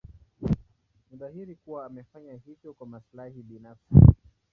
Ni dhahiri kuwa amefanya hivyo kwa maslahi binafsi.